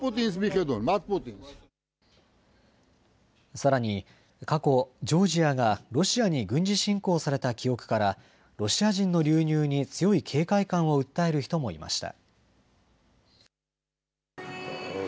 さらに、過去、ジョージアが、ロシアに軍事侵攻された記憶から、ロシア人の流入に強い警戒感を訴える人もいました。